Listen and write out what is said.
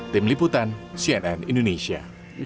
tim liputan cnn indonesia